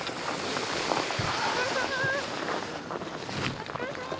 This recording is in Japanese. お疲れさま。